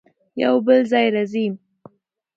يو بل ځای راځي